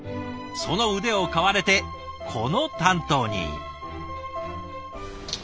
その腕を買われてこの担当に。